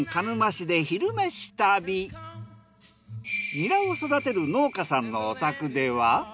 ニラを育てる農家さんのお宅では。